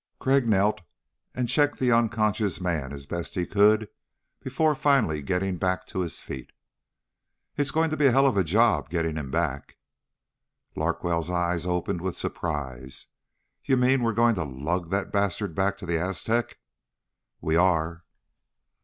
Crag knelt and checked the unconscious man as best he could before finally getting back to his feet. "It's going to be a helluva job getting him back." Larkwell's eyes opened with surprise. "You mean we're going to lug that bastard back to the Aztec?" "We are."